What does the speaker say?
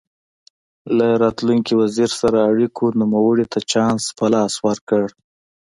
له راتلونکي وزیر سره اړیکو نوموړي ته چانس په لاس ورکړ.